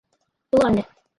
Lond.